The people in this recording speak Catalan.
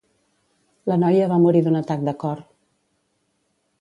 La noia va morir d'un atac de cor.